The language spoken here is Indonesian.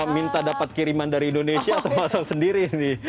minta dapat kiriman dari indonesia atau pasang sendiri